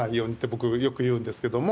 僕よく言うんですけども。